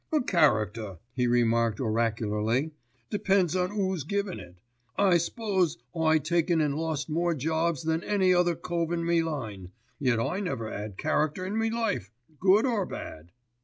"A character," he remarked oracularly, "depends on 'oos givin' it. I s'pose I taken an' lost more jobs than any other cove in my line, yet I never 'ad a character in my life, good or bad.